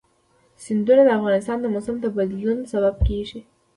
سیندونه د افغانستان د موسم د بدلون سبب کېږي.